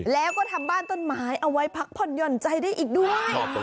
แล้วก็ทำบ้านต้นไม้เอาไว้พักผ่อนหย่อนใจได้อีกด้วย